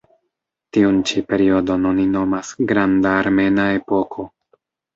Tiun ĉi periodon oni nomas "Granda Armena Epoko".